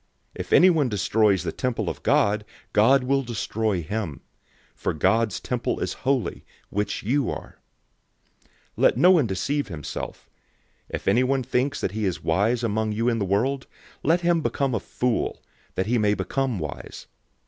003:017 If anyone destroys the temple of God, God will destroy him; for God's temple is holy, which you are. 003:018 Let no one deceive himself. If anyone thinks that he is wise among you in this world, let him become a fool, that he may become wise.